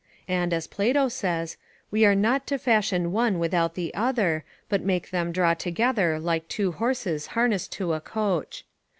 And, as Plato says, we are not to fashion one without the other, but make them draw together like two horses harnessed to a coach.